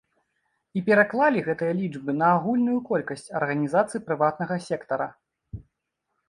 І пераклалі гэтыя лічбы на агульную колькасць арганізацый прыватнага сектара.